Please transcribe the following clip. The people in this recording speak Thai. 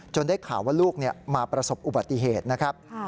ได้ข่าวว่าลูกมาประสบอุบัติเหตุนะครับ